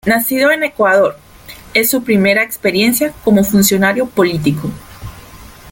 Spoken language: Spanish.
Nacido en Ecuador, es su primera experiencia como funcionario político.